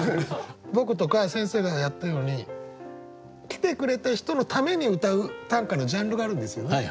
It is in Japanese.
僕とか先生がやったように来てくれた人のためにうたう短歌のジャンルがあるんですよね。